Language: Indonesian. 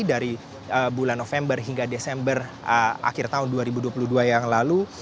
dari bulan november hingga desember akhir tahun dua ribu dua puluh dua yang lalu